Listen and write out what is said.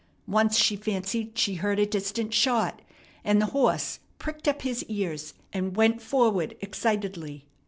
Once she fancied she heard a distant shot, and the horse pricked up his ears, and went forward excitedly.